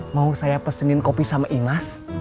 mau saya pesenin kopi sama imas